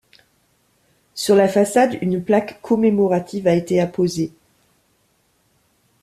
Sur la façade, une plaque commémorative a été apposée.